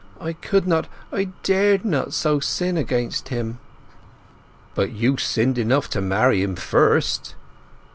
I could not—I dared not—so sin—against him!" "But you sinned enough to marry him first!"